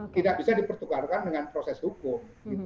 tidak bisa dipertukarkan dengan proses hukum